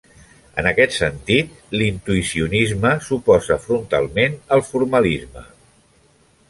En aquest sentit, l'intuïcionisme s'oposa frontalment al formalisme.